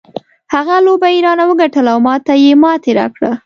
هغه لوبه یې رانه وګټله او ما ته یې ماتې راکړه.